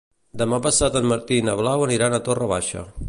Demà passat en Martí i na Blau aniran a Torre Baixa.